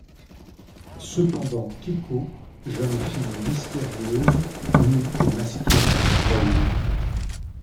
Cependant Kekkō, jeune fille mystérieuse, nue et masquée, veille.